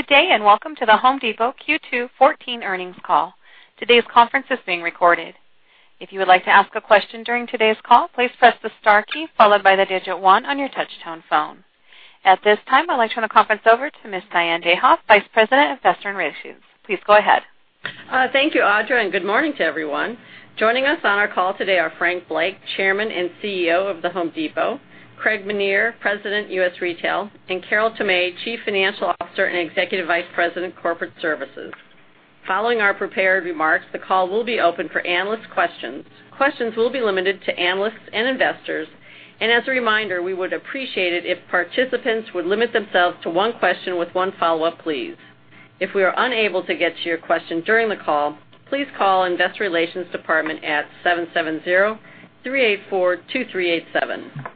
Good day, welcome to The Home Depot Q2 2014 earnings call. Today's conference is being recorded. If you would like to ask a question during today's call, please press the star key, followed by the digit one on your touch tone phone. At this time, I'd like to turn the conference over to Ms. Diane Dayhoff, Vice President of Investor Relations. Please go ahead. Thank you, Audra, good morning to everyone. Joining us on our call today are Frank Blake, Chairman and Chief Executive Officer of The Home Depot, Craig Menear, President, U.S. Retail, and Carol Tomé, Chief Financial Officer and Executive Vice President, Corporate Services. Following our prepared remarks, the call will be open for analyst questions. Questions will be limited to analysts and investors. As a reminder, we would appreciate it if participants would limit themselves to one question with one follow-up, please. If we are unable to get to your question during the call, please call Investor Relations department at 770-384-2387.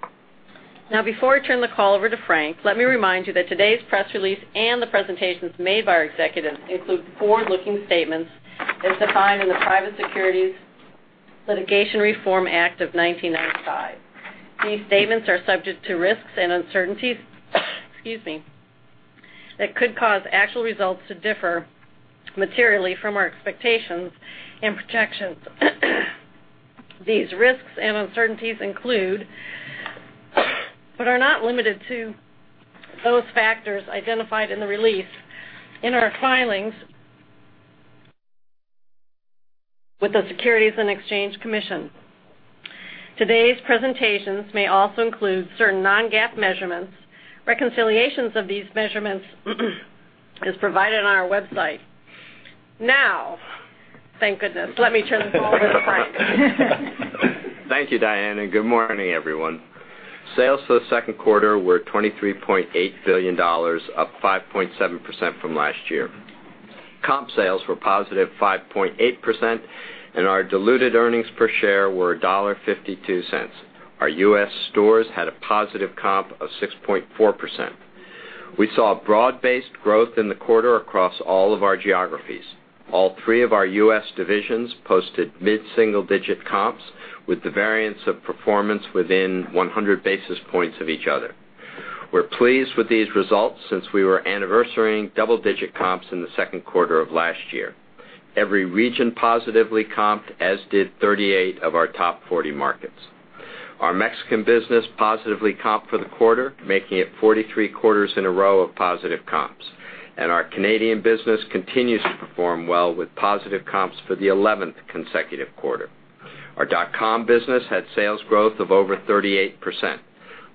Before I turn the call over to Frank, let me remind you that today's press release and the presentations made by our executives include forward-looking statements as defined in the Private Securities Litigation Reform Act of 1995. These statements are subject to risks and uncertainties that could cause actual results to differ materially from our expectations and projections. These risks and uncertainties include, but are not limited to, those factors identified in the release in our filings with the Securities and Exchange Commission. Today's presentations may also include certain non-GAAP measurements. Reconciliations of these measurements is provided on our website. Thank goodness. Let me turn this over to Frank. Thank you, Diane, good morning, everyone. Sales for the second quarter were $23.8 billion, up 5.7% from last year. Comp sales were positive 5.8%, and our diluted earnings per share were $1.52. Our U.S. stores had a positive comp of 6.4%. We saw broad-based growth in the quarter across all of our geographies. All three of our U.S. divisions posted mid-single-digit comps with the variance of performance within 100 basis points of each other. We're pleased with these results since we were anniversarying double-digit comps in the second quarter of last year. Every region positively comped, as did 38 of our top 40 markets. Our Mexican business positively comped for the quarter, making it 43 quarters in a row of positive comps. Our Canadian business continues to perform well with positive comps for the 11th consecutive quarter. Our dot-com business had sales growth of over 38%.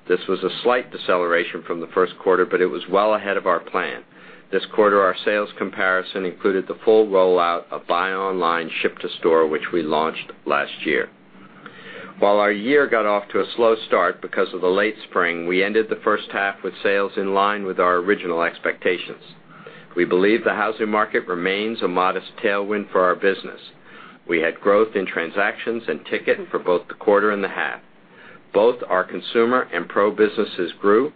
This was a slight deceleration from the first quarter, it was well ahead of our plan. This quarter, our sales comparison included the full rollout of buy online, ship to store, which we launched last year. While our year got off to a slow start because of the late spring, we ended the first half with sales in line with our original expectations. We believe the housing market remains a modest tailwind for our business. We had growth in transactions and ticket for both the quarter and the half. Both our consumer and pro businesses grew.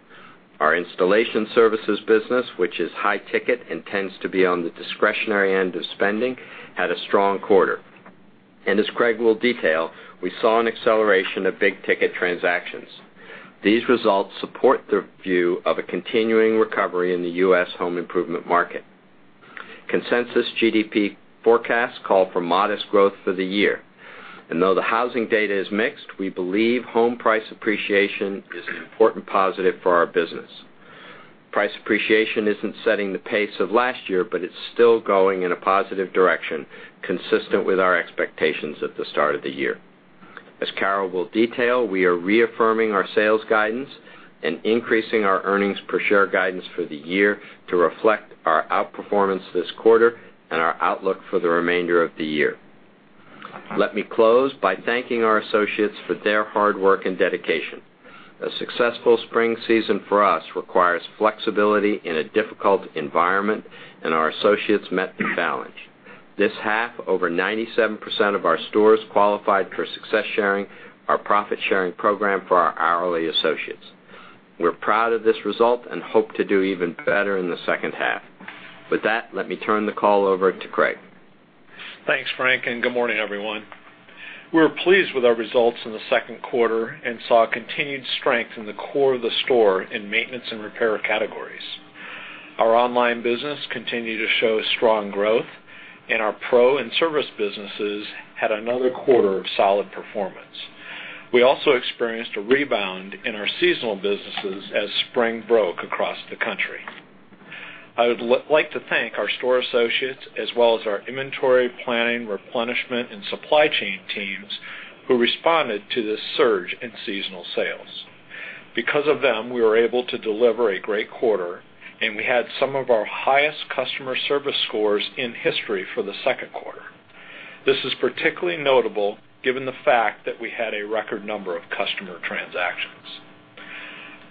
Our installation services business, which is high ticket and tends to be on the discretionary end of spending, had a strong quarter. As Craig will detail, we saw an acceleration of big-ticket transactions. These results support the view of a continuing recovery in the U.S. home improvement market. Consensus GDP forecasts call for modest growth for the year. Though the housing data is mixed, we believe home price appreciation is an important positive for our business. Price appreciation isn't setting the pace of last year, it's still going in a positive direction, consistent with our expectations at the start of the year. As Carol Tomé will detail, we are reaffirming our sales guidance and increasing our earnings per share guidance for the year to reflect our outperformance this quarter and our outlook for the remainder of the year. Let me close by thanking our associates for their hard work and dedication. A successful spring season for us requires flexibility in a difficult environment, our associates met the challenge. This half, over 97% of our stores qualified for Success Sharing, our profit-sharing program for our hourly associates. We're proud of this result hope to do even better in the second half. With that, let me turn the call over to Craig. Thanks, Frank, good morning, everyone. We're pleased with our results in the second quarter saw continued strength in the core of the store in maintenance and repair categories. Our online business continued to show strong growth, our pro and service businesses had another quarter of solid performance. We also experienced a rebound in our seasonal businesses as spring broke across the country. I would like to thank our store associates as well as our inventory planning, replenishment, and supply chain teams who responded to this surge in seasonal sales. Because of them, we were able to deliver a great quarter, we had some of our highest customer service scores in history for the second quarter. This is particularly notable given the fact that we had a record number of customer transactions.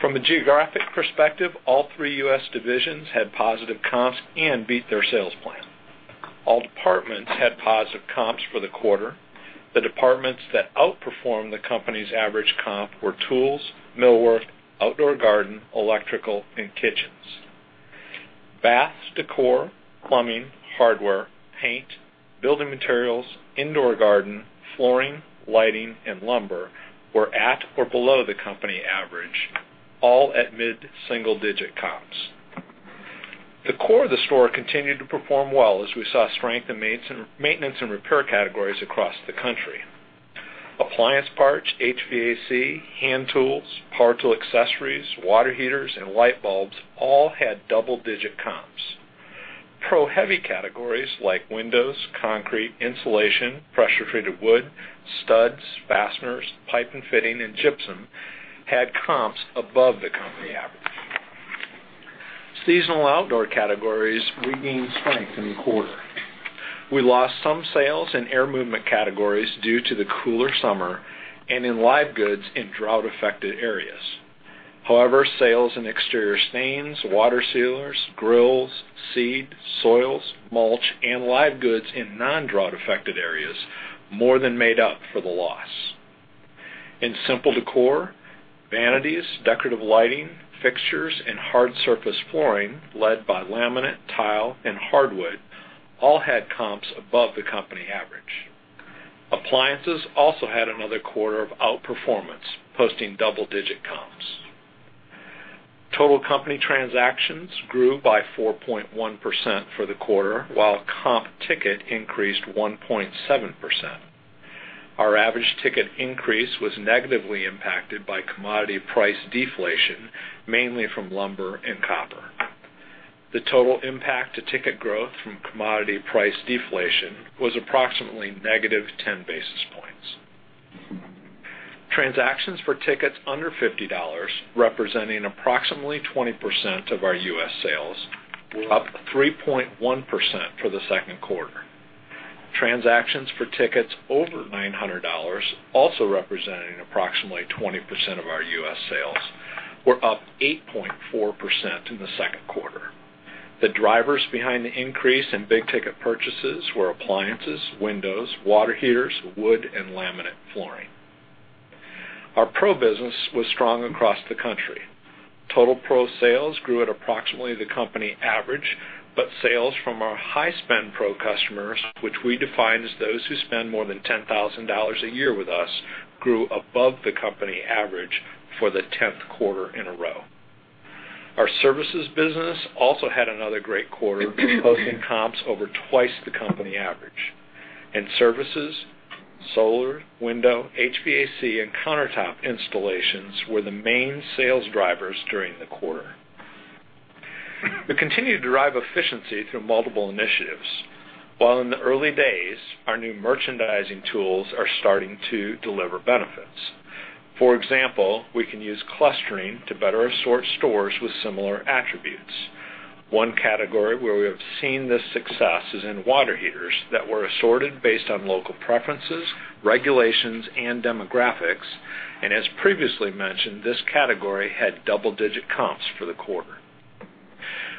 From a geographic perspective, all three U.S. divisions had positive comps and beat their sales plan. All departments had positive comps for the quarter. The departments that outperformed the company's average comp were tools, millwork, outdoor garden, electrical, and kitchens. Bath, decor, plumbing, hardware, paint, Building materials, indoor garden, flooring, lighting, and lumber were at or below the company average, all at mid-single-digit comps. The core of the store continued to perform well as we saw strength in maintenance and repair categories across the country. Appliance parts, HVAC, hand tools, power tool accessories, water heaters, and light bulbs all had double-digit comps. Pro heavy categories like windows, concrete, insulation, pressure treated wood, studs, fasteners, pipe and fitting, and gypsum had comps above the company average. Seasonal outdoor categories regained strength in the quarter. We lost some sales in air movement categories due to the cooler summer and in live goods in drought-affected areas. Sales in exterior stains, water sealers, grills, seed, soils, mulch, and live goods in non-drought affected areas more than made up for the loss. In simple decor, vanities, decorative lighting, fixtures, and hard surface flooring, led by laminate, tile, and hardwood, all had comps above the company average. Appliances also had another quarter of outperformance, posting double-digit comps. Total company transactions grew by 4.1% for the quarter, while comp ticket increased 1.7%. Our average ticket increase was negatively impacted by commodity price deflation, mainly from lumber and copper. The total impact to ticket growth from commodity price deflation was approximately negative 10 basis points. Transactions for tickets under $50, representing approximately 20% of our U.S. sales, were up 3.1% for the second quarter. Transactions for tickets over $900, also representing approximately 20% of our U.S. sales, were up 8.4% in the second quarter. The drivers behind the increase in big-ticket purchases were appliances, windows, water heaters, wood, and laminate flooring. Our Pro business was strong across the country. Total Pro sales grew at approximately the company average, but sales from our high-spend Pro customers, which we define as those who spend more than $10,000 a year with us, grew above the company average for the 10th quarter in a row. Our services business also had another great quarter, posting comps over twice the company average. In services, solar, window, HVAC, and countertop installations were the main sales drivers during the quarter. We continue to drive efficiency through multiple initiatives. While in the early days, our new merchandising tools are starting to deliver benefits. For example, we can use clustering to better assort stores with similar attributes. One category where we have seen this success is in water heaters that were assorted based on local preferences, regulations, and demographics. As previously mentioned, this category had double-digit comps for the quarter.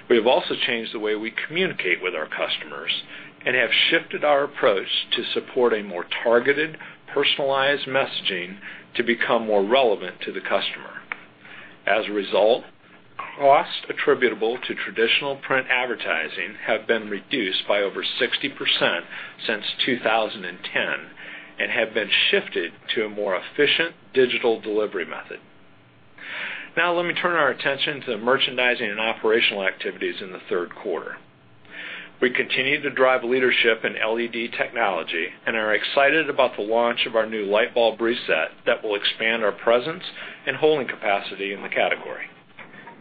We have also changed the way we communicate with our customers and have shifted our approach to support a more targeted, personalized messaging to become more relevant to the customer. As a result, costs attributable to traditional print advertising have been reduced by over 60% since 2010 and have been shifted to a more efficient digital delivery method. Now let me turn our attention to the merchandising and operational activities in the third quarter. We continue to drive leadership in LED technology and are excited about the launch of our new light bulb reset that will expand our presence and holding capacity in the category.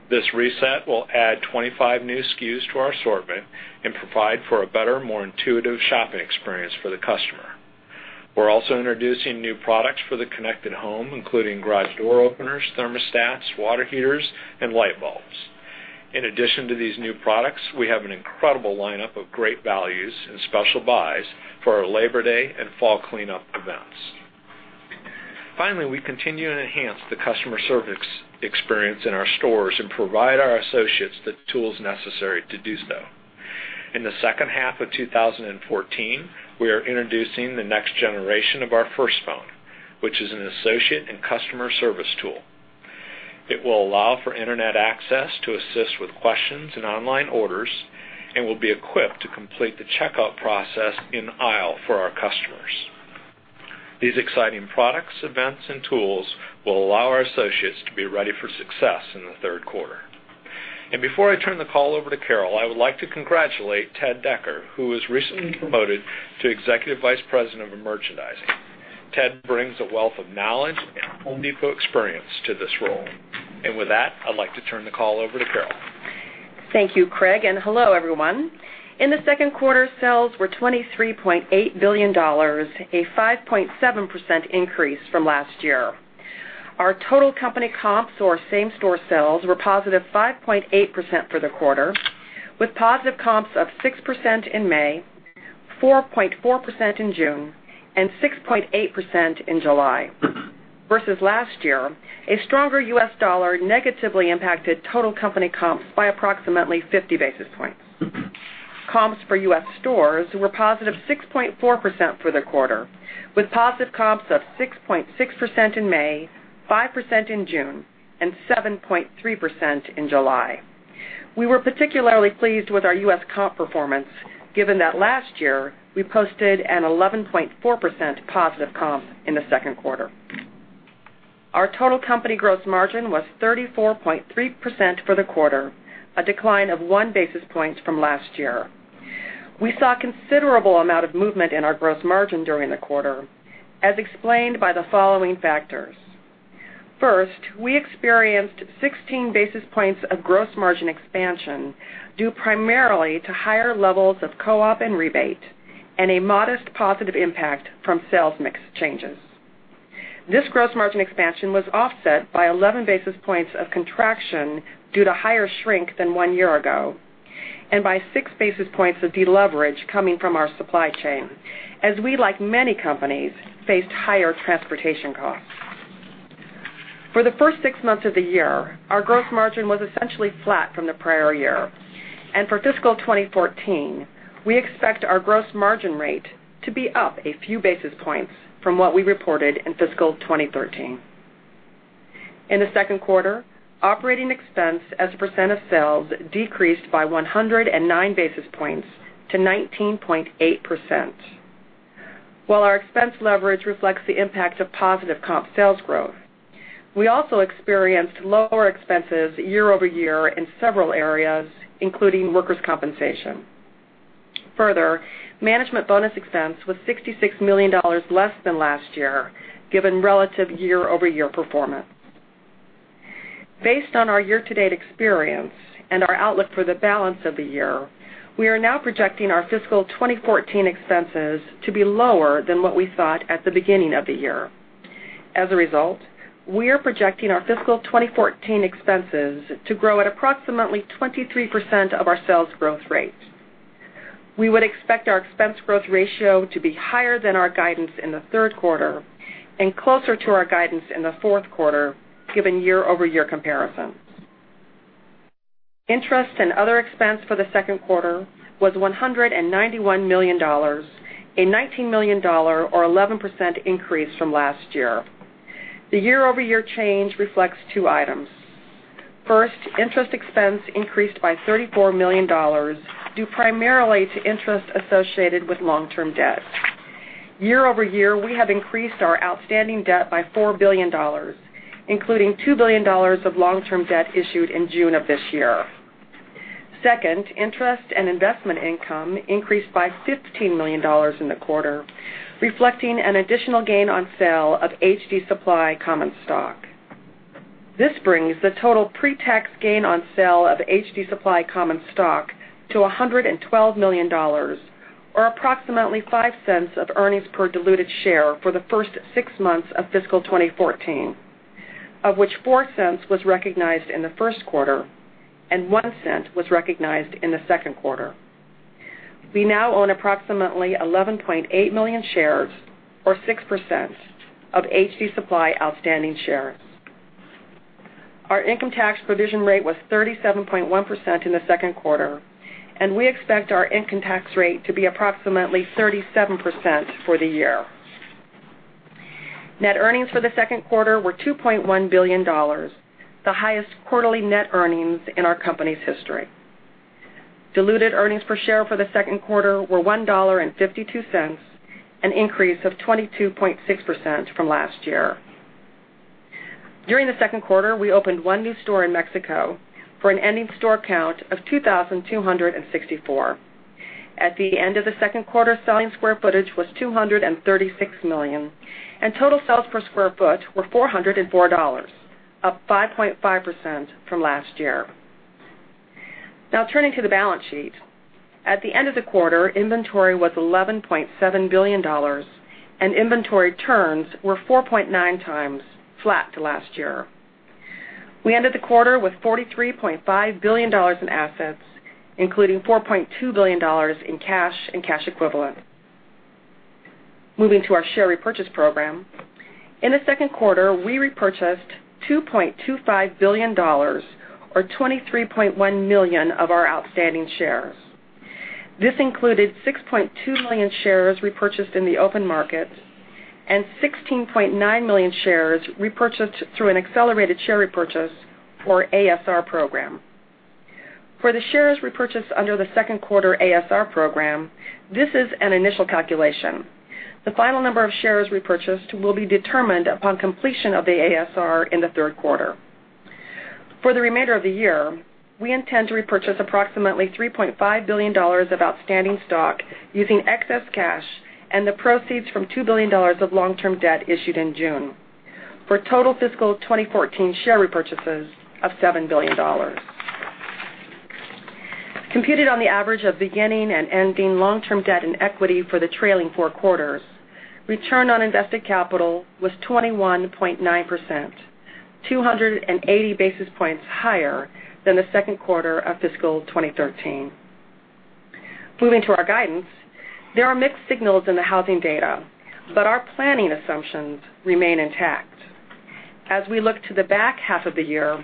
This reset will add 25 new SKUs to our assortment and provide for a better, more intuitive shopping experience for the customer. We are also introducing new products for the connected home, including garage door openers, thermostats, water heaters, and light bulbs. In addition to these new products, we have an incredible lineup of great values and special buys for our Labor Day and fall cleanup events. Finally, we continue to enhance the customer service experience in our stores and provide our associates the tools necessary to do so. In the second half of 2014, we are introducing the next generation of our FIRST Phone, which is an associate and customer service tool. It will allow for internet access to assist with questions and online orders and will be equipped to complete the checkout process in-aisle for our customers. These exciting products, events, and tools will allow our associates to be ready for success in the third quarter. Before I turn the call over to Carol, I would like to congratulate Ted Decker, who was recently promoted to Executive Vice President of Merchandising. Ted brings a wealth of knowledge and The Home Depot experience to this role. With that, I would like to turn the call over to Carol. Thank you, Craig, and hello, everyone. In the second quarter, sales were $23.8 billion, a 5.7% increase from last year. Our total company comps or same-store sales were positive 5.8% for the quarter, with positive comps of 6% in May, 4.4% in June, and 6.8% in July. Versus last year, a stronger U.S. dollar negatively impacted total company comps by approximately 50 basis points. Comps for U.S. stores were positive 6.4% for the quarter, with positive comps of 6.6% in May, 5% in June, and 7.3% in July. We were particularly pleased with our U.S. comp performance, given that last year we posted an 11.4% positive comp in the second quarter. Our total company gross margin was 34.3% for the quarter, a decline of one basis point from last year. We saw a considerable amount of movement in our gross margin during the quarter, as explained by the following factors. First, we experienced 16 basis points of gross margin expansion due primarily to higher levels of co-op and rebate, and a modest positive impact from sales mix changes. This gross margin expansion was offset by 11 basis points of contraction due to higher shrink than one year ago, and by six basis points of deleverage coming from our supply chain, as we, like many companies, faced higher transportation costs. For the first six months of the year, our gross margin was essentially flat from the prior year. For fiscal 2014, we expect our gross margin rate to be up a few basis points from what we reported in fiscal 2013. In the second quarter, operating expense as a percent of sales decreased by 109 basis points to 19.8%. While our expense leverage reflects the impact of positive comp sales growth, we also experienced lower expenses year over year in several areas, including workers compensation. Management bonus expense was $66 million less than last year, given relative year-over-year performance. Based on our year-to-date experience and our outlook for the balance of the year, we are now projecting our fiscal 2014 expenses to be lower than what we thought at the beginning of the year. We are projecting our fiscal 2014 expenses to grow at approximately 23% of our sales growth rate. We would expect our expense growth ratio to be higher than our guidance in the third quarter and closer to our guidance in the fourth quarter, given year-over-year comparisons. Interest and other expense for the second quarter was $191 million, a $19 million or 11% increase from last year. The year-over-year change reflects two items. First, interest expense increased by $34 million due primarily to interest associated with long-term debt. Year over year, we have increased our outstanding debt by $4 billion, including $2 billion of long-term debt issued in June of this year. Second, interest and investment income increased by $15 million in the quarter, reflecting an additional gain on sale of HD Supply common stock. This brings the total pre-tax gain on sale of HD Supply common stock to $112 million, or approximately $0.05 of earnings per diluted share for the first six months of fiscal 2014, of which $0.04 was recognized in the first quarter and $0.01 was recognized in the second quarter. We now own approximately 11.8 million shares or 6% of HD Supply outstanding shares. Our income tax provision rate was 37.1% in the second quarter, and we expect our income tax rate to be approximately 37% for the year. Net earnings for the second quarter were $2.1 billion, the highest quarterly net earnings in our company's history. Diluted earnings per share for the second quarter were $1.52, an increase of 22.6% from last year. During the second quarter, we opened one new store in Mexico for an ending store count of 2,264. At the end of the second quarter, selling square footage was 236 million, and total sales per square foot were $404, up 5.5% from last year. Turning to the balance sheet. At the end of the quarter, inventory was $11.7 billion, and inventory turns were 4.9x, flat to last year. We ended the quarter with $43.5 billion in assets, including $4.2 billion in cash and cash equivalent. Moving to our share repurchase program. In the second quarter, we repurchased $2.25 billion or 23.1 million of our outstanding shares. This included 6.2 million shares repurchased in the open market and 16.9 million shares repurchased through an accelerated share repurchase or ASR program. For the shares repurchased under the second quarter ASR program, this is an initial calculation. The final number of shares repurchased will be determined upon completion of the ASR in the third quarter. For the remainder of the year, we intend to repurchase approximately $3.5 billion of outstanding stock using excess cash and the proceeds from $2 billion of long-term debt issued in June, for total fiscal 2014 share repurchases of $7 billion. Computed on the average of beginning and ending long-term debt and equity for the trailing four quarters, return on invested capital was 21.9%, 280 basis points higher than the second quarter of fiscal 2013. Moving to our guidance. There are mixed signals in the housing data, our planning assumptions remain intact. As we look to the back half of the year,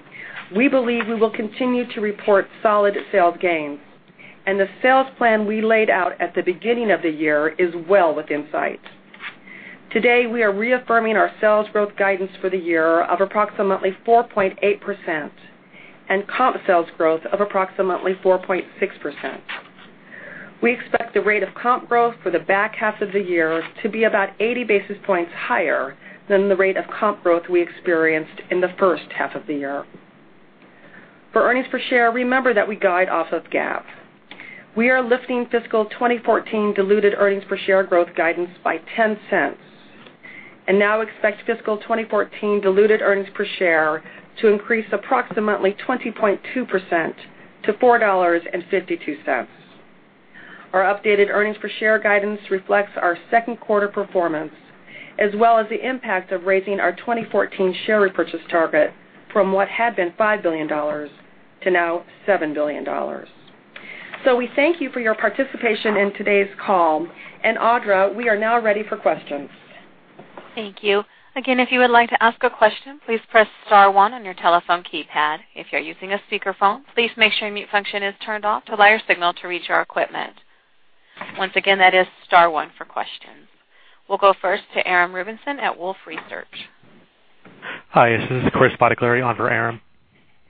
we believe we will continue to report solid sales gains, the sales plan we laid out at the beginning of the year is well within sight. Today, we are reaffirming our sales growth guidance for the year of approximately 4.8% and comp sales growth of approximately 4.6%. We expect the rate of comp growth for the back half of the year to be about 80 basis points higher than the rate of comp growth we experienced in the first half of the year. For earnings per share, remember that we guide off of GAAP. We are lifting fiscal 2014 diluted earnings per share growth guidance by $0.10 and now expect fiscal 2014 diluted earnings per share to increase approximately 20.2% to $4.52. Our updated earnings per share guidance reflects our second quarter performance, as well as the impact of raising our 2014 share repurchase target from what had been $5 billion to now $7 billion. We thank you for your participation in today's call. Audra, we are now ready for questions. Thank you. Again, if you would like to ask a question, please press star one on your telephone keypad. If you're using a speakerphone, please make sure mute function is turned off to allow your signal to reach our equipment. Once again, that is star one for questions. We'll go first to Aram Rubinson at Wolfe Research. Hi, this is Chris Bottiglieri clearing on for Aram.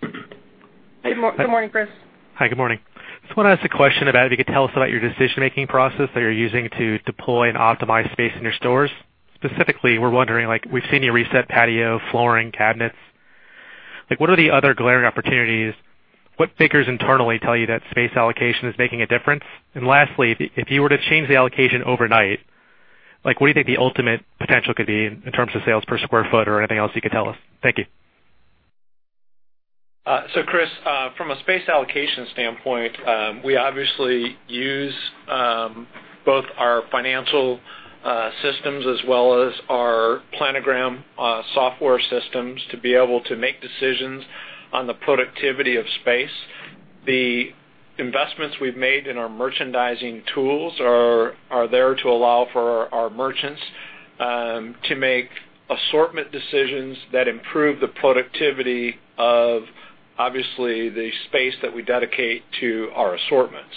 Good morning, Chris. Hi, good morning. Just want to ask a question about if you could tell us about your decision-making process that you're using to deploy and optimize space in your stores. Specifically, we're wondering, we've seen you reset patio, flooring, cabinets. What are the other glaring opportunities? What figures internally tell you that space allocation is making a difference? Lastly, if you were to change the allocation overnight, what do you think the ultimate potential could be in terms of sales per square foot or anything else you could tell us? Thank you. Chris, from a space allocation standpoint, we obviously use both our financial systems as well as our planogram software systems to be able to make decisions on the productivity of space. The investments we've made in our merchandising tools are there to allow for our merchants to make assortment decisions that improve the productivity of, obviously, the space that we dedicate to our assortments.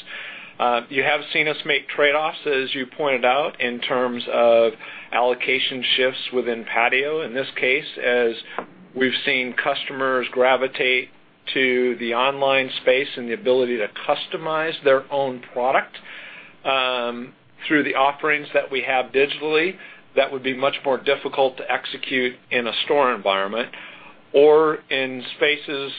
You have seen us make trade-offs, as you pointed out, in terms of allocation shifts within patio. In this case, as we've seen customers gravitate to the online space and the ability to customize their own product through the offerings that we have digitally, that would be much more difficult to execute in a store environment or in spaces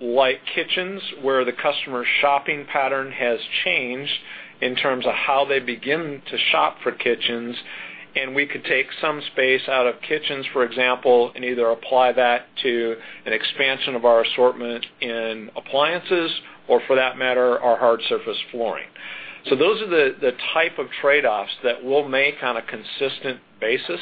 like kitchens, where the customer shopping pattern has changed in terms of how they begin to shop for kitchens, and we could take some space out of kitchens, for example, and either apply that to an expansion of our assortment in appliances or for that matter, our hard surface flooring. Those are the type of trade-offs that we'll make on a consistent basis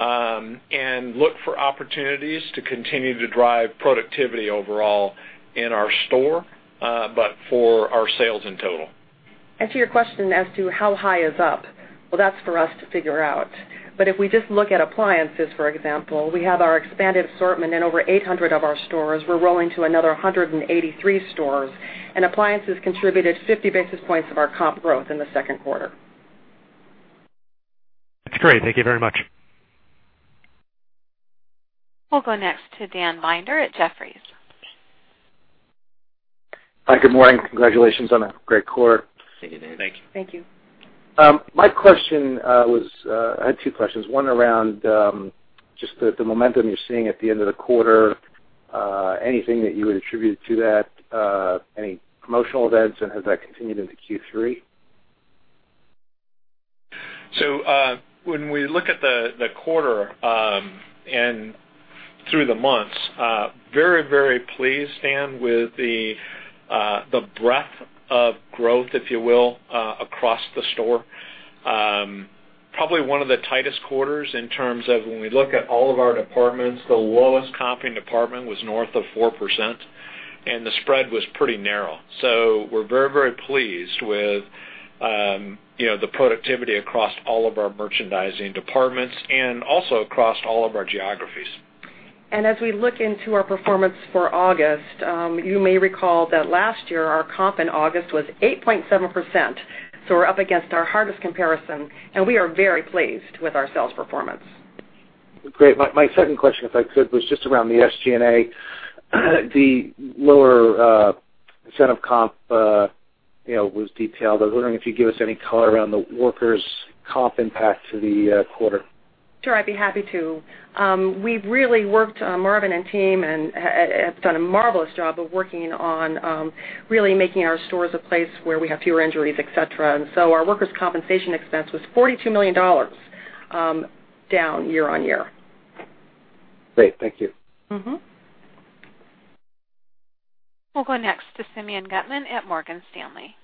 and look for opportunities to continue to drive productivity overall in our store, but for our sales in total. To your question as to how high is up, well, that's for us to figure out. If we just look at appliances, for example, we have our expanded assortment in over 800 of our stores. We're rolling to another 183 stores, and appliances contributed 50 basis points of our comp growth in the second quarter. That's great. Thank you very much. We'll go next to Dan Binder at Jefferies. Hi, good morning. Congratulations on a great quarter. Thank you, Dan. Thank you. I had two questions. One around just the momentum you're seeing at the end of the quarter. Anything that you would attribute to that, any promotional events, and has that continued into Q3? When we look at the quarter and through the months, very, very pleased, Dan, with the breadth of growth, if you will, across the store. Probably one of the tightest quarters in terms of when we look at all of our departments, the lowest comping department was north of 4%, and the spread was pretty narrow. We're very, very pleased with the productivity across all of our merchandising departments and also across all of our geographies. As we look into our performance for August, you may recall that last year our comp in August was 8.7%. We're up against our hardest comparison, and we are very pleased with our sales performance. Great. My second question, if I could, was just around the SG&A. The lower set of comp was detailed. I was wondering if you could give us any color around the workers' comp impact to the quarter. Sure, I'd be happy to. We've really worked, Marvin and team have done a marvelous job of working on really making our stores a place where we have fewer injuries, et cetera. Our workers' compensation expense was $42 million down year-on-year. Great. Thank you. We'll go next to Simeon Gutman at Morgan Stanley.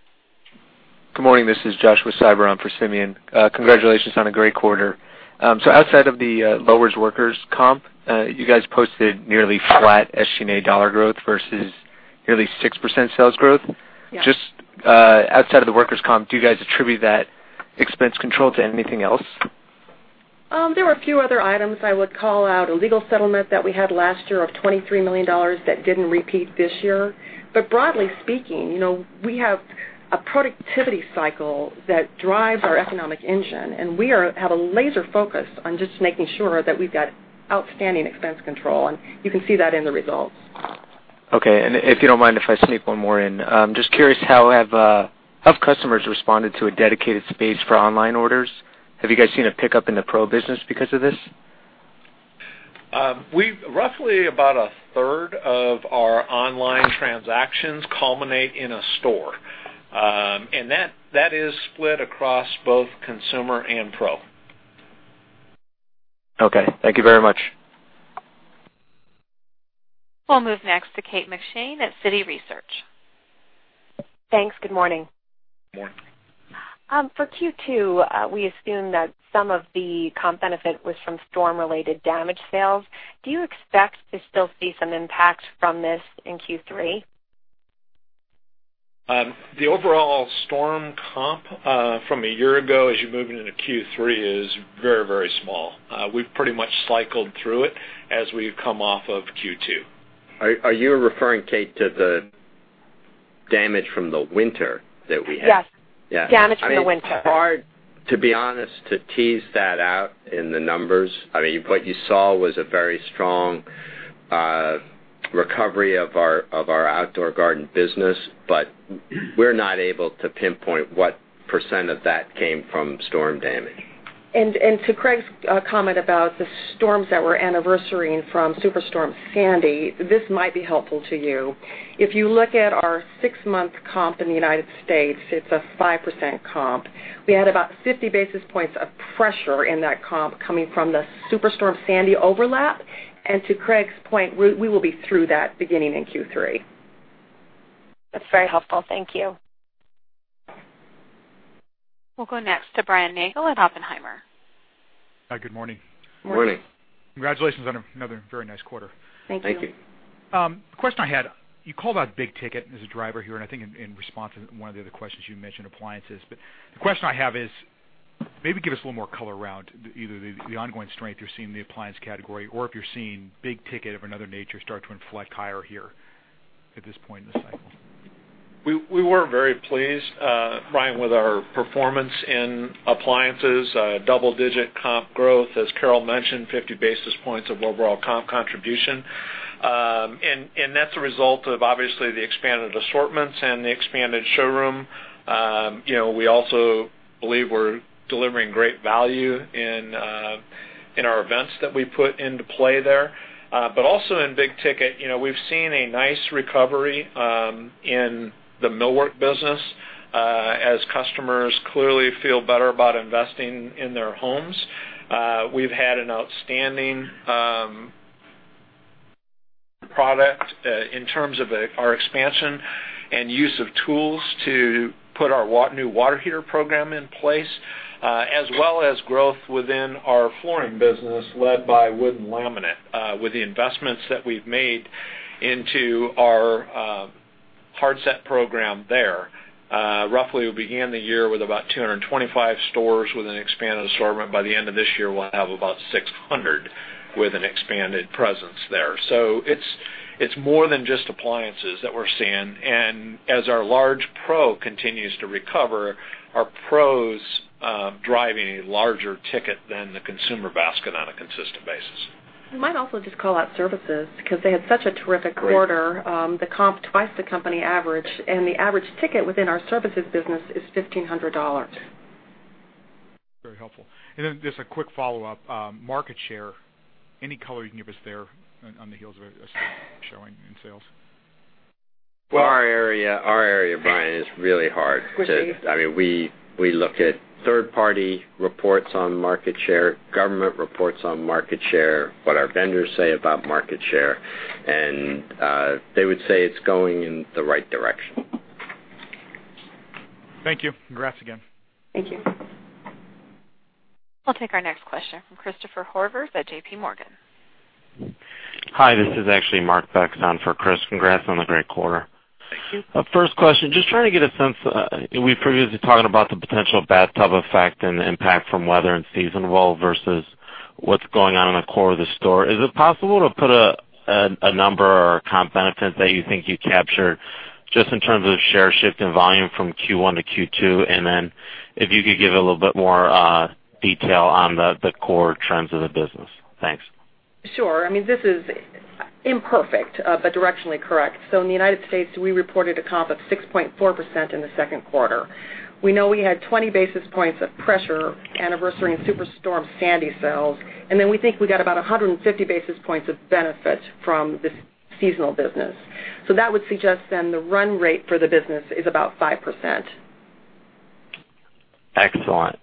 Good morning. This is Josh Siber on for Simeon. Congratulations on a great quarter. Outside of the lower workers' comp, you guys posted nearly flat SG&A dollar growth versus nearly 6% sales growth. Yeah. Just outside of the workers' comp, do you guys attribute that expense control to anything else? There were a few other items I would call out. A legal settlement that we had last year of $23 million that didn't repeat this year. Broadly speaking, we have a productivity cycle that drives our economic engine, and we have a laser focus on just making sure that we've got outstanding expense control, and you can see that in the results. Okay. If you don't mind if I sneak one more in. Just curious, how have customers responded to a dedicated space for online orders? Have you guys seen a pickup in the Pro business because of this? Roughly about a third of our online transactions culminate in a store. That is split across both consumer and Pro. Okay. Thank you very much. We'll move next to Kate McShane at Citi Research. Thanks. Good morning. Good morning. For Q2, we assume that some of the comp benefit was from storm-related damage sales. Do you expect to still see some impact from this in Q3? The overall storm comp from a year ago as you're moving into Q3 is very small. We've pretty much cycled through it as we've come off of Q2. Are you referring, Kate, to the damage from the winter that we had? Yes. Yeah. Damage from the winter. It's hard, to be honest, to tease that out in the numbers. What you saw was a very strong recovery of our outdoor garden business. We're not able to pinpoint what % of that came from storm damage. To Craig's comment about the storms that were anniversarying from Superstorm Sandy, this might be helpful to you. If you look at our six-month comp in the U.S., it's a 5% comp. We had about 50 basis points of pressure in that comp coming from the Superstorm Sandy overlap. To Craig's point, we will be through that beginning in Q3. That's very helpful. Thank you. We'll go next to Brian Nagel at Oppenheimer. Hi, good morning. Morning. Morning. Congratulations on another very nice quarter. Thank you. Thank you. The question I had, you called out big ticket as a driver here, and I think in response to one of the other questions, you mentioned appliances. The question I have is, maybe give us a little more color around either the ongoing strength you're seeing in the appliance category, or if you're seeing big ticket of another nature start to inflect higher here at this point in the cycle. We were very pleased, Brian, with our performance in appliances. Double-digit comp growth. As Carol mentioned, 50 basis points of overall comp contribution. That's a result of obviously the expanded assortments and the expanded showroom. We also believe we're delivering great value in our events that we put into play there. Also in big ticket, we've seen a nice recovery in the millwork business as customers clearly feel better about investing in their homes. We've had an outstanding product in terms of our expansion and use of tools to put our new water heater program in place, as well as growth within our flooring business led by wood and laminate. With the investments that we've made into our hard set program there. Roughly, we began the year with about 225 stores with an expanded assortment. By the end of this year, we'll have about 600 with an expanded presence there. It's more than just appliances that we're seeing. As our large Pro continues to recover, our Pro's driving a larger ticket than the consumer basket on a consistent basis. You might also just call out services because they had such a terrific quarter. The comp twice the company average, the average ticket within our services business is $1,500. Very helpful. Then just a quick follow-up. Market share. Any color you can give us there on the heels of showing in sales? Well, our area, Brian, is really hard. We look at third-party reports on market share, government reports on market share, what our vendors say about market share, they would say it's going in the right direction. Thank you. Congrats again. Thank you. We'll take our next question from Christopher Horvers at J.P. Morgan. Hi, this is actually Mark Bachman for Chris. Congrats on the great quarter. Thank you. First question, just trying to get a sense. We previously talked about the potential bathtub effect and the impact from weather and seasonal versus what's going on in the core of the store. Is it possible to put a number or comp benefit that you think you captured just in terms of share shift in volume from Q1 to Q2? If you could give a little bit more detail on the core trends of the business. Thanks. Sure. This is imperfect but directionally correct. In the United States, we reported a comp of 6.4% in the second quarter. We know we had 20 basis points of pressure anniversarying Superstorm Sandy sales. We think we got about 150 basis points of benefit from the seasonal business. That would suggest the run rate for the business is about 5%. Excellent.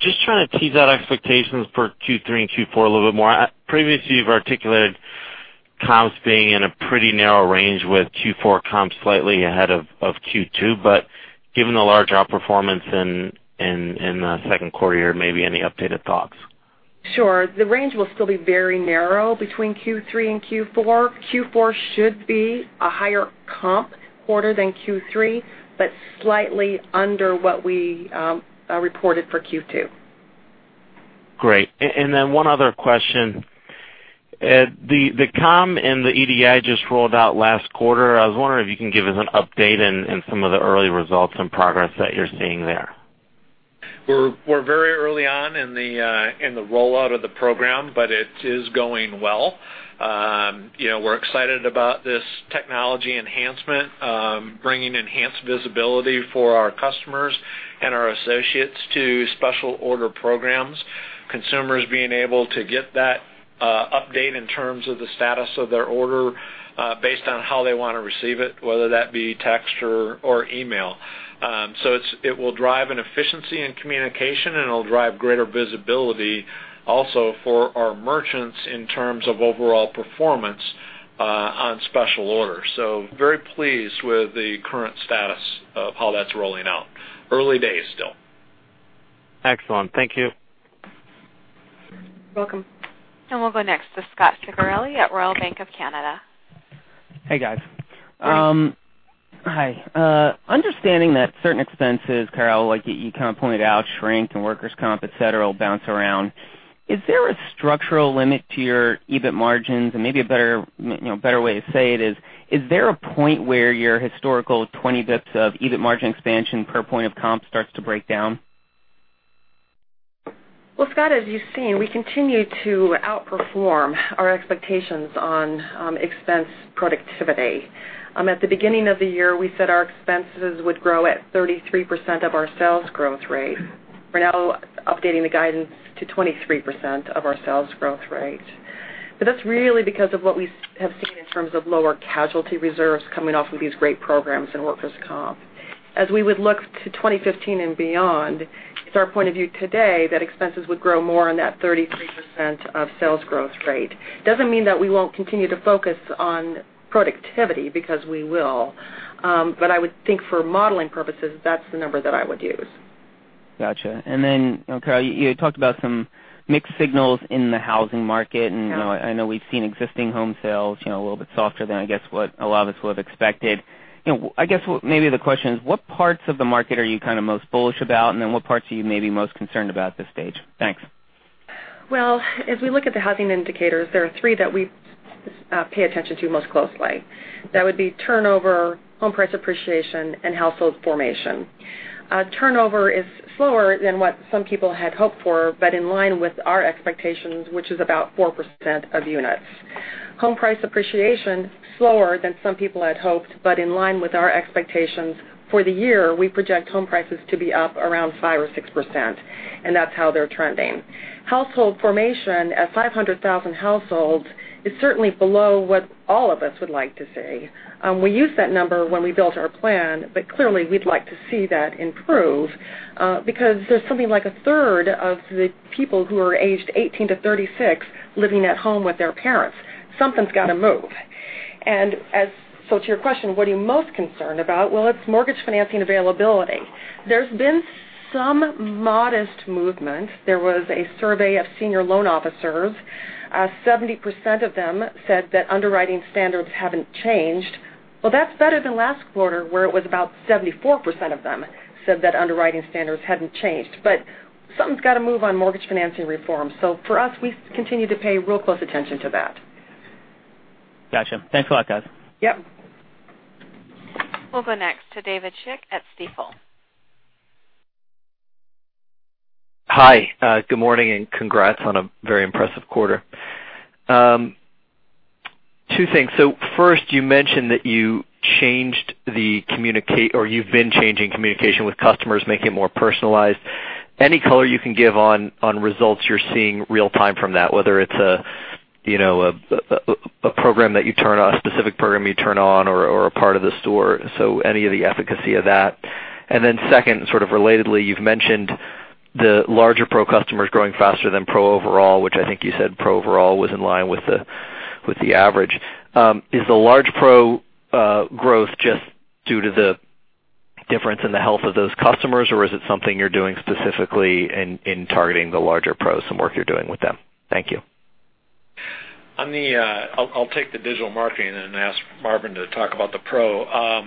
Just trying to tease out expectations for Q3 and Q4 a little bit more. Previously, you've articulated comps being in a pretty narrow range with Q4 comps slightly ahead of Q2. Given the large outperformance in the second quarter, maybe any updated thoughts? Sure. The range will still be very narrow between Q3 and Q4. Q4 should be a higher comp quarter than Q3, but slightly under what we reported for Q2. Great. One other question. The COM and the EDI just rolled out last quarter. I was wondering if you can give us an update and some of the early results and progress that you're seeing there. We're very early on in the rollout of the program, but it is going well. We're excited about this technology enhancement, bringing enhanced visibility for our customers and our associates to special order programs. Consumers being able to get that update in terms of the status of their order based on how they want to receive it, whether that be text or email. It will drive an efficiency in communication, and it'll drive greater visibility also for our merchants in terms of overall performance on special orders. Very pleased with the current status of how that's rolling out. Early days still. Excellent. Thank you. You're welcome. We'll go next to Scot Ciccarelli at Royal Bank of Canada. Hey, guys. Hey. Hi. Understanding that certain expenses, Carol, like you pointed out, shrink and workers' comp, et cetera, will bounce around, is there a structural limit to your EBIT margins? Maybe a better way to say it is: Is there a point where your historical 20 basis points of EBIT margin expansion per point of comp starts to break down? Well, Scot, as you've seen, we continue to outperform our expectations on expense productivity. At the beginning of the year, we said our expenses would grow at 33% of our sales growth rate. We're now updating the guidance to 23% of our sales growth rate. That's really because of what we have seen in terms of lower casualty reserves coming off of these great programs in workers' comp. As we would look to 2015 and beyond, it's our point of view today that expenses would grow more on that 33% of sales growth rate. Doesn't mean that we won't continue to focus on productivity, because we will. I would think for modeling purposes, that's the number that I would use. Got you. Carol, you had talked about some mixed signals in the housing market. Yeah. I know we've seen existing home sales a little bit softer than I guess what a lot of us would have expected. I guess maybe the question is, what parts of the market are you most bullish about, what parts are you maybe most concerned about at this stage? Thanks. Well, as we look at the housing indicators, there are three that we pay attention to most closely. That would be turnover, home price appreciation, and household formation. Turnover is slower than what some people had hoped for, in line with our expectations, which is about 4% of units. Home price appreciation, slower than some people had hoped, in line with our expectations. For the year, we project home prices to be up around 5 or 6%. That's how they're trending. Household formation at 500,000 households is certainly below what all of us would like to see. We used that number when we built our plan, clearly we'd like to see that improve because there's something like a third of the people who are aged 18 to 36 living at home with their parents. Something's got to move. To your question, what are you most concerned about? Well, it's mortgage financing availability. There's been some modest movement. There was a survey of senior loan officers. 70% of them said that underwriting standards haven't changed. Well, that's better than last quarter, where it was about 74% of them said that underwriting standards hadn't changed. Something's got to move on mortgage financing reform. For us, we continue to pay real close attention to that. Got you. Thanks a lot, guys. Yep. We'll go next to David Schick at Stifel. Hi. Good morning, and congrats on a very impressive quarter. Two things. First, you mentioned that you've been changing communication with customers, making it more personalized. Any color you can give on results you're seeing real time from that, whether it's a specific program you turn on or a part of the store. Any of the efficacy of that. Second, sort of relatedly, you've mentioned the larger pro customers growing faster than pro overall, which I think you said pro overall was in line with the average. Is the large pro growth just due to the difference in the health of those customers, or is it something you're doing specifically in targeting the larger pros, some work you're doing with them? Thank you. I'll take the digital marketing and then ask Marvin to talk about the pro.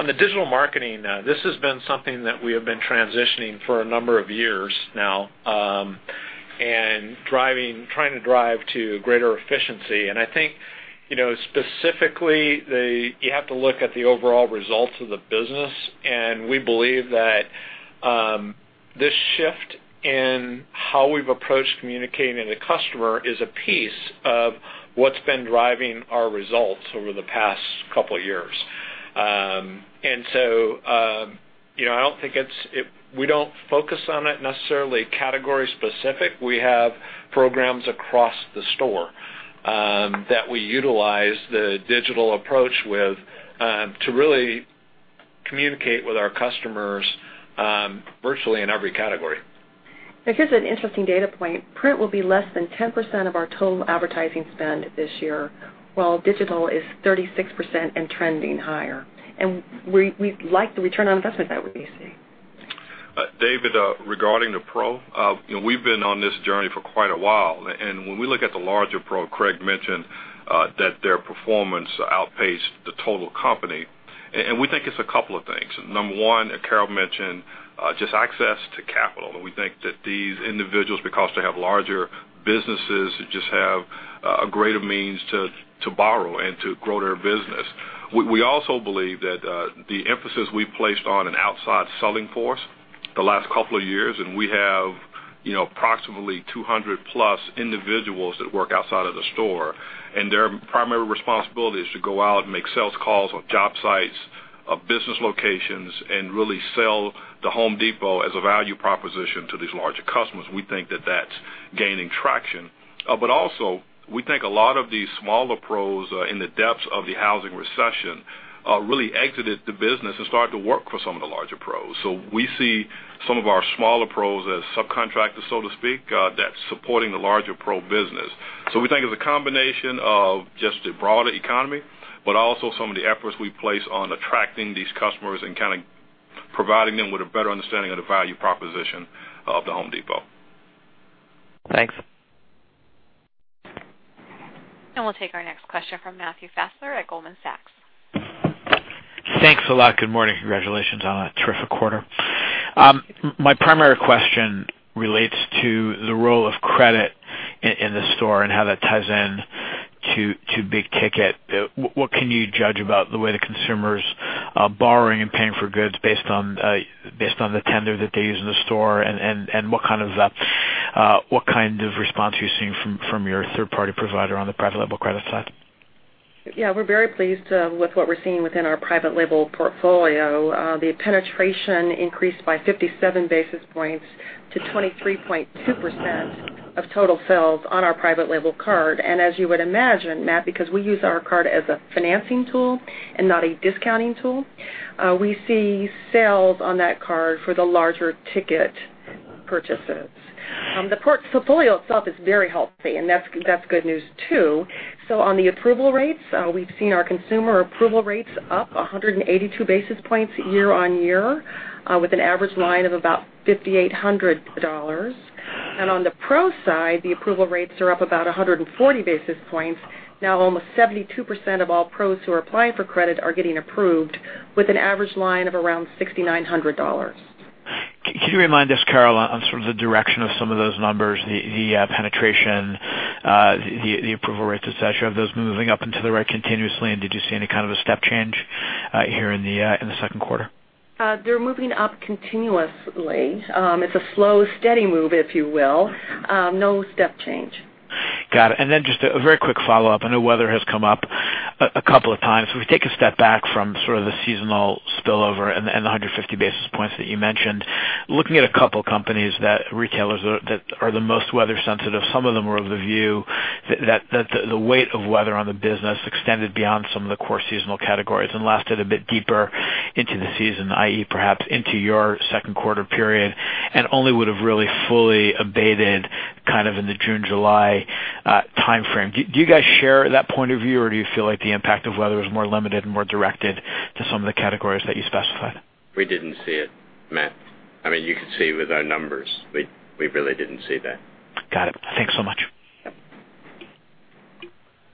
On the digital marketing, this has been something that we have been transitioning for a number of years now and trying to drive to greater efficiency. I think specifically, you have to look at the overall results of the business, and we believe that this shift in how we've approached communicating with the customer is a piece of what's been driving our results over the past couple of years. We don't focus on it necessarily category specific. We have programs across the store that we utilize the digital approach with to really communicate with our customers virtually in every category. Here's an interesting data point. Print will be less than 10% of our total advertising spend this year, while digital is 36% and trending higher. We like the return on investment that we see. David, regarding the Pro, we've been on this journey for quite a while, and when we look at the larger Pro, Craig mentioned that their performance outpaced the total company. We think it's a couple of things. Number one, Carol mentioned just access to capital. We think that these individuals, because they have larger businesses, just have a greater means to borrow and to grow their business. We also believe that the emphasis we've placed on an outside selling force the last couple of years, and we have approximately 200+ individuals that work outside of the store, and their primary responsibility is to go out and make sales calls on job sites, business locations, and really sell The Home Depot as a value proposition to these larger customers. We think that that's gaining traction. Also, we think a lot of these smaller Pros in the depths of the housing recession really exited the business and started to work for some of the larger Pros. We see some of our smaller Pros as subcontractors, so to speak, that's supporting the larger Pro business. We think it's a combination of just a broader economy, but also some of the efforts we place on attracting these customers and kind of providing them with a better understanding of the value proposition of The Home Depot. Thanks. We'll take our next question from Matthew Fassler at Goldman Sachs. Thanks a lot. Good morning. Congratulations on a terrific quarter. My primary question relates to the role of credit in the store and how that ties in to big ticket. What can you judge about the way the consumer's borrowing and paying for goods based on the tender that they use in the store, and what kind of response are you seeing from your third-party provider on the private label credit side? We're very pleased with what we're seeing within our private label portfolio. The penetration increased by 57 basis points to 23.2% of total sales on our private label card. As you would imagine, Matt, because we use our card as a financing tool and not a discounting tool, we see sales on that card for the larger ticket purchases. The portfolio itself is very healthy, and that's good news, too. On the approval rates, we've seen our consumer approval rates up 182 basis points year-on-year, with an average line of about $5,800. On the Pro side, the approval rates are up about 140 basis points. Almost 72% of all Pros who are applying for credit are getting approved with an average line of around $6,900. Can you remind us, Carol, on sort of the direction of some of those numbers, the penetration, the approval rates, et cetera, of those moving up into the right continuously, did you see any kind of a step change here in the second quarter? They're moving up continuously. It's a slow, steady move, if you will. No step change. Got it. Just a very quick follow-up. I know weather has come up a couple of times. If we take a step back from sort of the seasonal spillover and the 150 basis points that you mentioned, looking at a couple companies that retailers that are the most weather sensitive, some of them are of the view that the weight of weather on the business extended beyond some of the core seasonal categories and lasted a bit deeper into the season, i.e., perhaps into your second quarter period and only would have really fully abated kind of in the June, July timeframe. Do you guys share that point of view, or do you feel like the impact of weather was more limited and more directed to some of the categories that you specified? We didn't see it, Matt. I mean, you could see with our numbers, we really didn't see that. Got it. Thanks so much.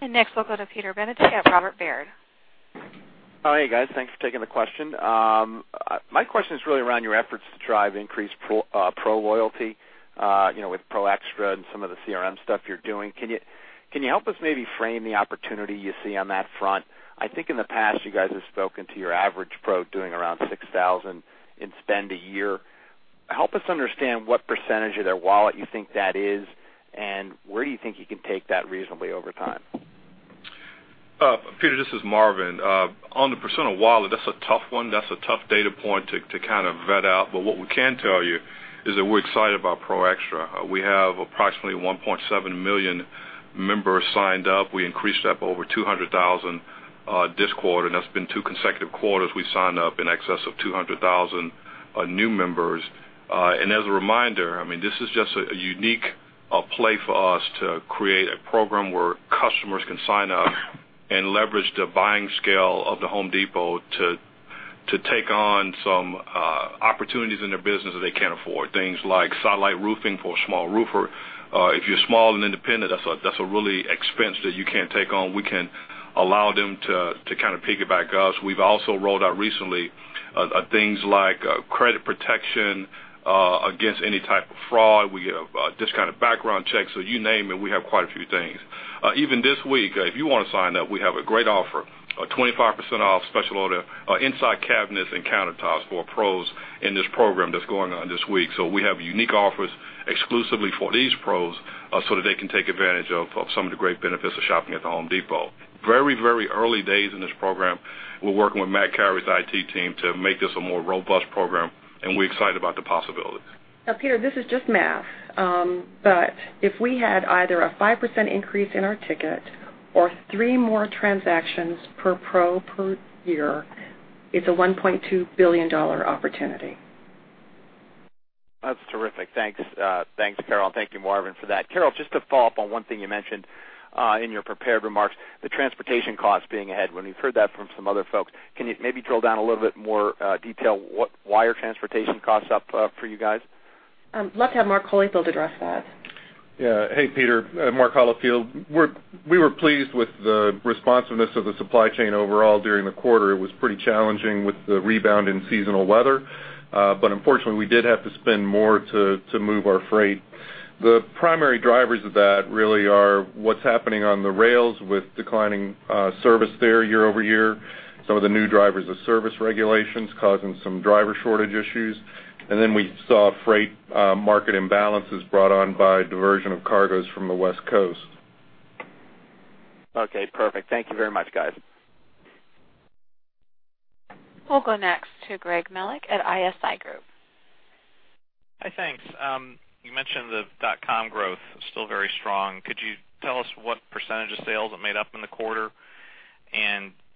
Next, we'll go to Peter Benedict at Robert W. Baird. Hey, guys. Thanks for taking the question. My question is really around your efforts to drive increased Pro loyalty, with Pro Xtra and some of the CRM stuff you're doing. Can you help us maybe frame the opportunity you see on that front? I think in the past, you guys have spoken to your average Pro doing around $6,000 in spend a year. Help us understand what % of their wallet you think that is, and where do you think you can take that reasonably over time? Peter, this is Marvin. On the % of wallet, that's a tough one. That's a tough data point to kind of vet out. What we can tell you is that we're excited about Pro Xtra. We have approximately 1.7 million members signed up. We increased up over 200,000 this quarter, and that's been two consecutive quarters we've signed up in excess of 200,000 new members. As a reminder, this is just a unique play for us to create a program where customers can sign up and leverage the buying scale of The Home Depot to take on some opportunities in their business that they can't afford. Things like satellite roofing for a small roofer. If you're small and independent, that's a real expense that you can't take on. We can allow them to kind of piggyback us. We've also rolled out recently things like credit protection against any type of fraud. We have discounted background checks. You name it, we have quite a few things. Even this week, if you want to sign up, we have a great offer, a 25% off special order inside cabinets and countertops for Pros in this program that's going on this week. We have unique offers exclusively for these Pros, so that they can take advantage of some of the great benefits of shopping at The Home Depot. Very early days in this program. We're working with Matt Carey's IT team to make this a more robust program, and we're excited about the possibilities. Peter, this is just math. If we had either a 5% increase in our ticket or three more transactions per Pro per year, it's a $1.2 billion opportunity. That's terrific. Thanks, Carol, and thank you, Marvin, for that. Carol, just to follow up on one thing you mentioned in your prepared remarks, the transportation costs being ahead. We've heard that from some other folks. Can you maybe drill down a little bit more detail why are transportation costs up for you guys? I'd love to have Mark Holifield address that. Yeah. Hey, Peter. Mark Holifield. We were pleased with the responsiveness of the supply chain overall during the quarter. It was pretty challenging with the rebound in seasonal weather. Unfortunately, we did have to spend more to move our freight. The primary drivers of that really are what's happening on the rails with declining service there year-over-year. Some of the new drivers of service regulations causing some driver shortage issues. Then we saw freight market imbalances brought on by diversion of cargoes from the West Coast. Okay, perfect. Thank you very much, guys. We'll go next to Gregory Melich at ISI Group. Hi, thanks. You mentioned the dot-com growth is still very strong. Could you tell us what % of sales it made up in the quarter?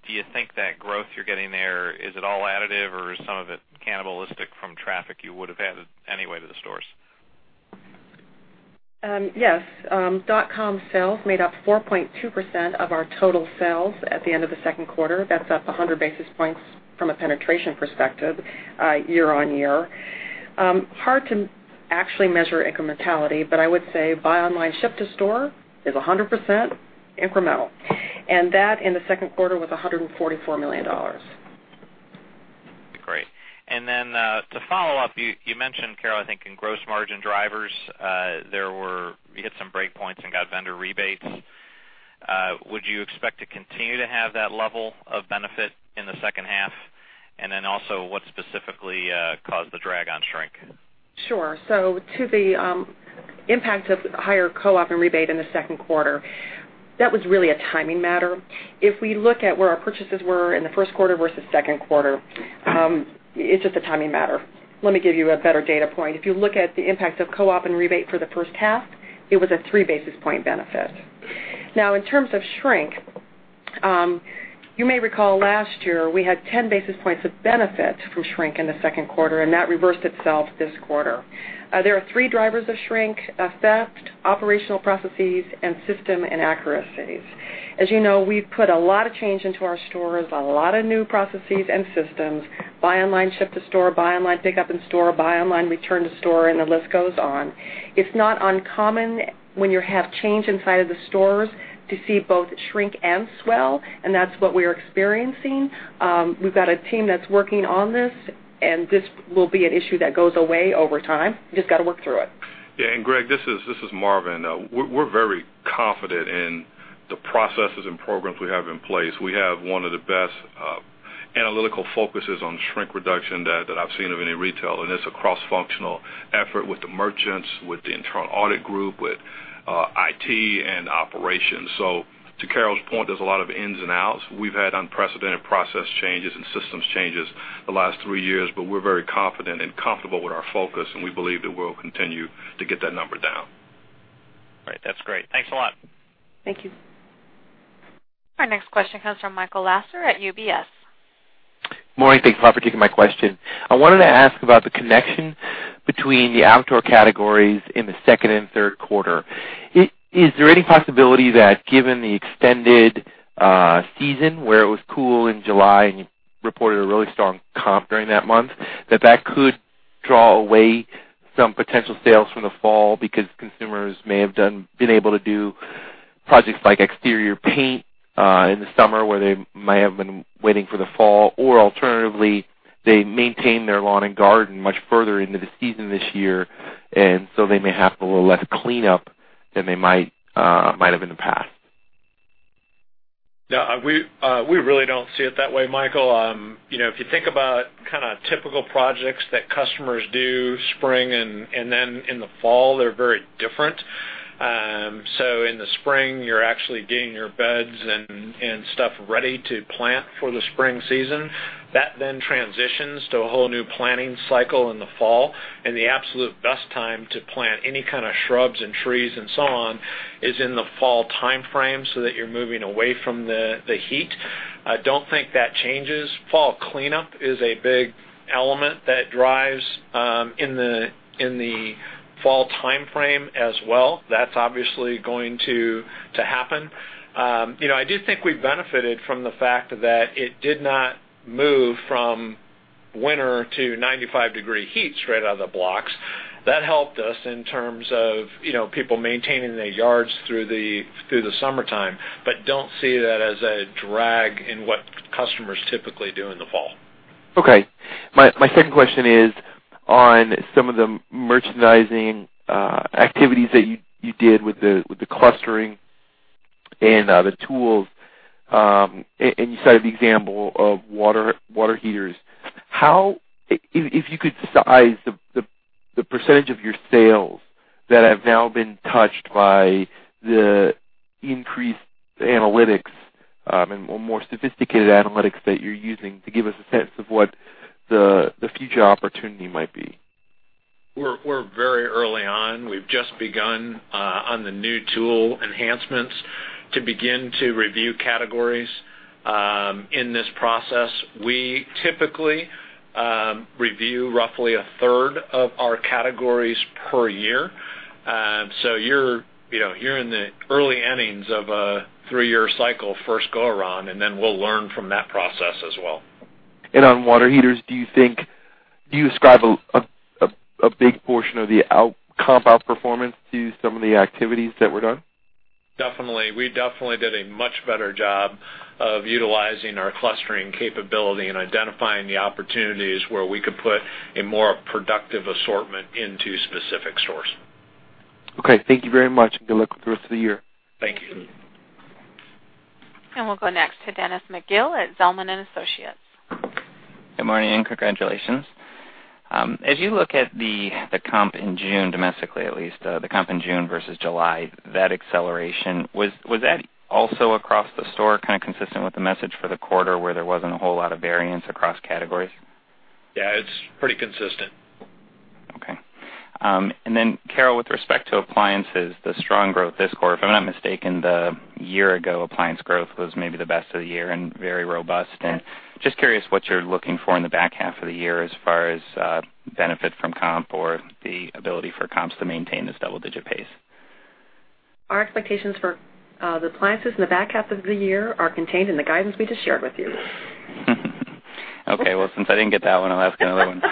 Do you think that growth you're getting there, is it all additive or is some of it cannibalistic from traffic you would have had anyway to the stores? Yes. Dot-com sales made up 4.2% of our total sales at the end of the second quarter. That's up 100 basis points from a penetration perspective year-over-year. Hard to actually measure incrementality, but I would say buy online, ship to store is 100% incremental. That in the second quarter was $144 million. Great. To follow up, you mentioned, Carol, I think in gross margin drivers you hit some break points and got vendor rebates. Would you expect to continue to have that level of benefit in the second half? Also, what specifically caused the drag on shrink? Sure. To the impact of higher co-op and rebate in the second quarter, that was really a timing matter. If we look at where our purchases were in the first quarter versus second quarter, it's just a timing matter. Let me give you a better data point. If you look at the impact of co-op and rebate for the first half, it was a three basis point benefit. In terms of shrink, you may recall last year, we had 10 basis points of benefit from shrink in the second quarter, and that reversed itself this quarter. There are three drivers of shrink: theft, operational processes, and system inaccuracies. As you know, we've put a lot of change into our stores, a lot of new processes and systems. Buy online, ship to store, buy online, pick up in store, buy online, return to store, and the list goes on. It's not uncommon when you have change inside of the stores to see both shrink and swell, and that's what we're experiencing. We've got a team that's working on this, and this will be an issue that goes away over time. Just got to work through it. Yeah. Greg, this is Marvin. We're very confident in the processes and programs we have in place. We have one of the best analytical focuses on shrink reduction that I've seen of any retailer, and it's a cross-functional effort with the merchants, with the internal audit group, with IT, and operations. To Carol's point, there's a lot of ins and outs. We've had unprecedented process changes and systems changes the last three years, but we're very confident and comfortable with our focus, and we believe that we'll continue to get that number down. Right. That's great. Thanks a lot. Thank you. Our next question comes from Michael Lasser at UBS. Morning. Thanks a lot for taking my question. I wanted to ask about the connection between the outdoor categories in the second and third quarter. Is there any possibility that given the extended season where it was cool in July and you reported a really strong comp during that month, that that could draw away some potential sales from the fall because consumers may have been able to do projects like exterior paint in the summer where they might have been waiting for the fall, or alternatively, they maintain their lawn and garden much further into the season this year, and so they may have a little less cleanup than they might have in the past? No, we really don't see it that way, Michael. If you think about typical projects that customers do spring and then in the fall, they're very different. In the spring, you're actually getting your beds and stuff ready to plant for the spring season. That then transitions to a whole new planning cycle in the fall, the absolute best time to plant any kind of shrubs and trees and so on is in the fall timeframe so that you're moving away from the heat. I don't think that changes. Fall cleanup is a big element that drives in the fall timeframe as well. That's obviously going to happen. I do think we benefited from the fact that it did not move from winter to 95-degree heat straight out of the blocks. That helped us in terms of people maintaining their yards through the summertime, don't see that as a drag in what customers typically do in the fall. Okay. My second question is on some of the merchandising activities that you did with the clustering and the tools. You cited the example of water heaters. If you could size the % of your sales that have now been touched by the increased analytics and more sophisticated analytics that you're using to give us a sense of what the future opportunity might be. We're very early on. We've just begun on the new tool enhancements. To begin to review categories in this process. We typically review roughly a third of our categories per year. You're in the early innings of a three-year cycle, first go-around, we'll learn from that process as well. On water heaters, do you ascribe a big portion of the comp outperformance to some of the activities that were done? Definitely. We definitely did a much better job of utilizing our clustering capability and identifying the opportunities where we could put a more productive assortment into specific stores. Okay. Thank you very much. Good luck with the rest of the year. Thank you. We'll go next to Dennis McGill at Zelman & Associates. Good morning, and congratulations. As you look at the comp in June, domestically at least, the comp in June versus July, that acceleration, was that also across the store, consistent with the message for the quarter where there wasn't a whole lot of variance across categories? Yeah, it's pretty consistent. Okay. Then Carol, with respect to appliances, the strong growth this quarter, if I'm not mistaken, the year-ago appliance growth was maybe the best of the year and very robust. Yes. Just curious what you're looking for in the back half of the year as far as benefit from comp or the ability for comps to maintain this double-digit pace. Our expectations for the appliances in the back half of the year are contained in the guidance we just shared with you. Okay. Well, since I didn't get that one, I'll ask another one.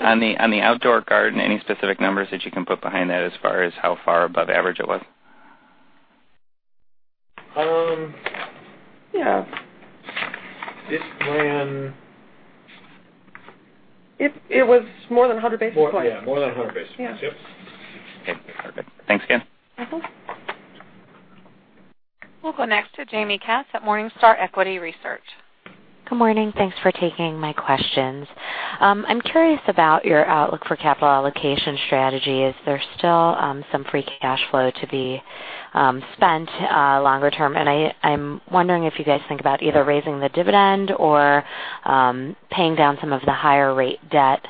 On the outdoor garden, any specific numbers that you can put behind that as far as how far above average it was? It ran It was more than 100 basis points. Yeah, more than 100 basis. Yep. Okay. Perfect. Thanks again. We'll go next to Jaime Katz at Morningstar Equity Research. Good morning. Thanks for taking my questions. I'm curious about your outlook for capital allocation strategy. Is there still some free cash flow to be spent longer term? I'm wondering if you guys think about either raising the dividend or paying down some of the higher rate debt.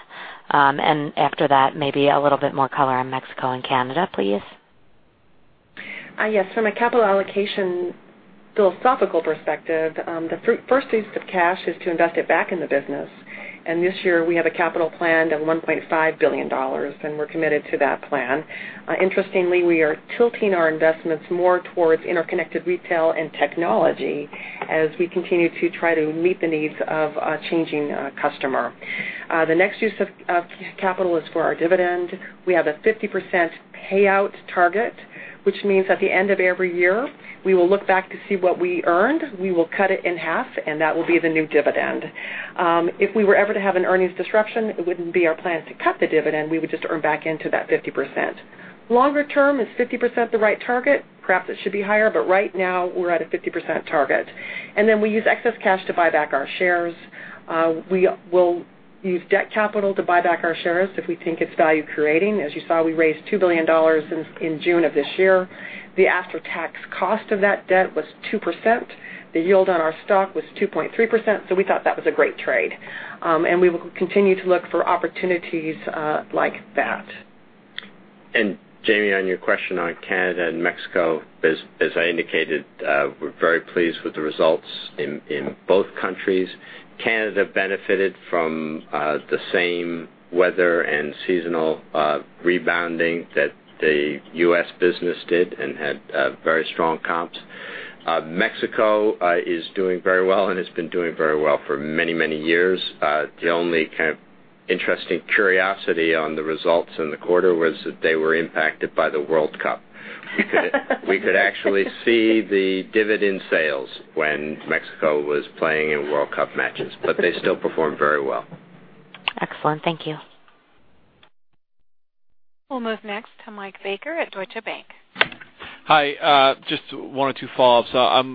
After that, maybe a little bit more color on Mexico and Canada, please. Yes. From a capital allocation philosophical perspective, the first use of cash is to invest it back in the business. This year, we have a capital plan of $1.5 billion, we're committed to that plan. Interestingly, we are tilting our investments more towards interconnected retail and technology as we continue to try to meet the needs of a changing customer. The next use of capital is for our dividend. We have a 50% payout target, which means at the end of every year, we will look back to see what we earned. We will cut it in half, and that will be the new dividend. If we were ever to have an earnings disruption, it wouldn't be our plan to cut the dividend. We would just earn back into that 50%. Longer term, is 50% the right target? Perhaps it should be higher, right now, we're at a 50% target. We use excess cash to buy back our shares. We will use debt capital to buy back our shares if we think it's value-creating. As you saw, we raised $2 billion in June of this year. The after-tax cost of that debt was 2%. The yield on our stock was 2.3%, we thought that was a great trade. We will continue to look for opportunities like that. Jamie, on your question on Canada and Mexico, as I indicated, we are very pleased with the results in both countries. Canada benefited from the same weather and seasonal rebounding that the U.S. business did and had very strong comps. Mexico is doing very well and has been doing very well for many, many years. The only interesting curiosity on the results in the quarter was that they were impacted by the World Cup. We could actually see the divot in sales when Mexico was playing in World Cup matches, but they still performed very well. Excellent. Thank you. We will move next to Mike Baker at Deutsche Bank. Hi. Just one or two follow-ups.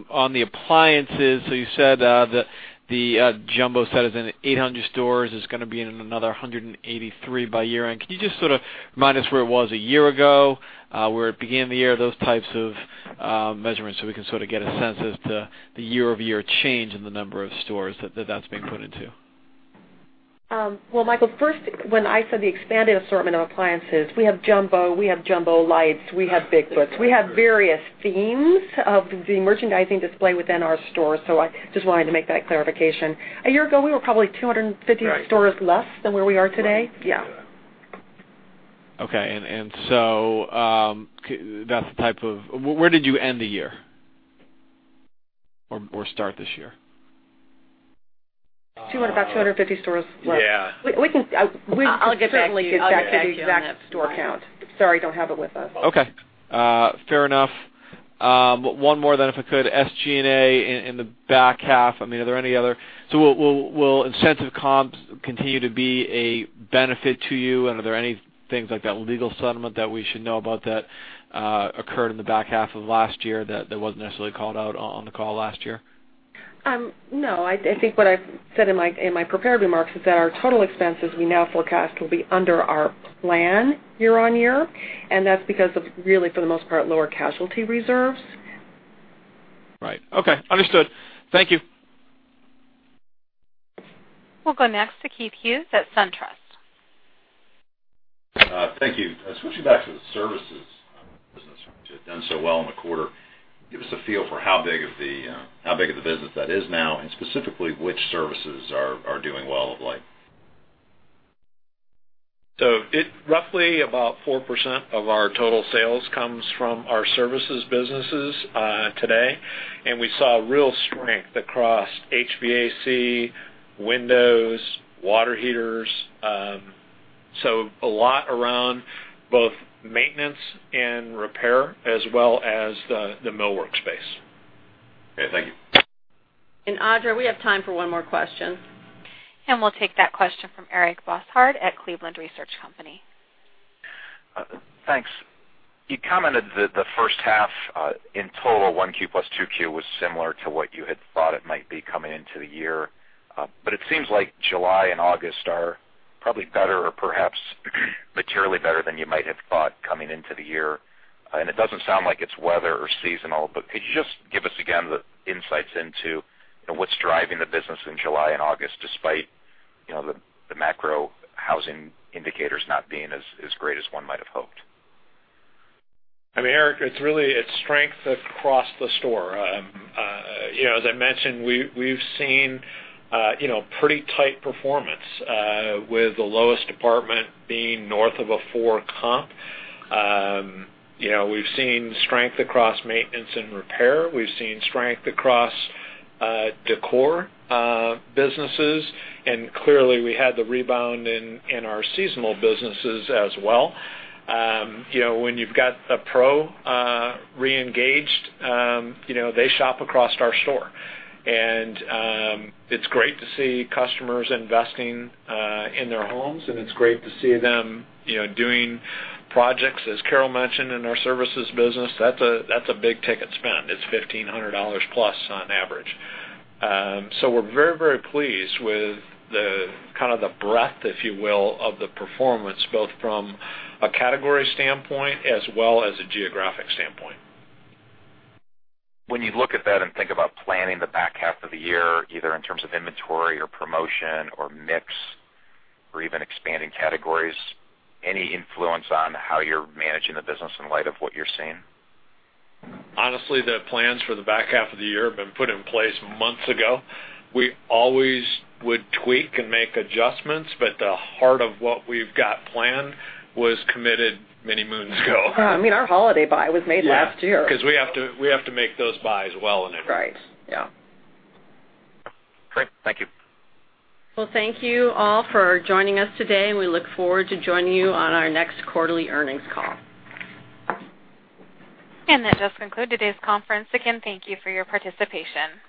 On the appliances, you said that the Jumbo set is in 800 stores, is going to be in another 183 by year-end. Can you just remind us where it was a year ago, where it began the year, those types of measurements so we can get a sense of the year-over-year change in the number of stores that's been put into? Well, Michael, first, when I said the expanded assortment of appliances, we have Jumbo, we have Jumbo Lights, we have Bigfoots. We have various themes of the merchandising display within our stores. I just wanted to make that clarification. A year ago, we were probably 250 stores less than where we are today. Yeah. Okay. Where did you end the year or start this year? About 250 stores left. Yeah. We can certainly get back to you the exact store count. Sorry, don't have it with us. Okay. Fair enough. One more then if I could. SG&A in the back half, will incentive comps continue to be a benefit to you? Are there any things like that legal settlement that we should know about that occurred in the back half of last year that wasn't necessarily called out on the call last year? No. I think what I said in my prepared remarks is that our total expenses we now forecast will be under our plan year on year, and that's because of really, for the most part, lower casualty reserves. Right. Okay. Understood. Thank you. We'll go next to Keith Hughes at SunTrust. Thank you. Switching back to the services business, which had done so well in the quarter, give us a feel for how big of the business that is now, and specifically, which services are doing well of late. Roughly about 4% of our total sales comes from our services businesses today, and we saw real strength across HVAC, windows, water heaters. A lot around both maintenance and repair as well as the millwork space. Okay. Thank you. Audra, we have time for one more question. We'll take that question from Eric Bosshard at Cleveland Research Company. Thanks. You commented the first half in total, 1Q plus 2Q was similar to what you had thought it might be coming into the year. It seems like July and August are probably better or perhaps materially better than you might have thought coming into the year. It doesn't sound like it's weather or seasonal, but could you just give us, again, the insights into what's driving the business in July and August, despite the macro housing indicators not being as great as one might have hoped? Eric, it's strength across the store. As I mentioned, we've seen pretty tight performance, with the lowest department being north of a four comp. We've seen strength across maintenance and repair. We've seen strength across decor businesses. Clearly, we had the rebound in our seasonal businesses as well. When you've got a pro re-engaged, they shop across our store. It's great to see customers investing in their homes, and it's great to see them doing projects, as Carol mentioned, in our services business. That's a big-ticket spend. It's $1,500 plus on average. We're very pleased with the breadth, if you will, of the performance, both from a category standpoint as well as a geographic standpoint. When you look at that and think about planning the back half of the year, either in terms of inventory or promotion or mix or even expanding categories, any influence on how you're managing the business in light of what you're seeing? Honestly, the plans for the back half of the year have been put in place months ago. We always would tweak and make adjustments, but the heart of what we've got planned was committed many moons ago. Our holiday buy was made last year. Because we have to make those buys well in advance. Right. Yeah. Great. Thank you. Well, thank you all for joining us today, and we look forward to joining you on our next quarterly earnings call. That does conclude today's conference. Again, thank you for your participation.